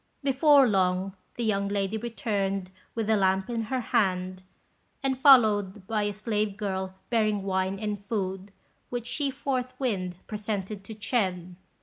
Before long, the young lady returned with a lamp in her hand, and followed by a slave girl bearing wine and food, which she forthwith presented to Ch'ên.